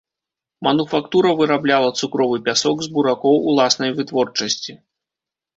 Мануфактура вырабляла цукровы пясок з буракоў уласнай вытворчасці.